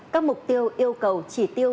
các mục tiêu yêu cầu chỉ tiêu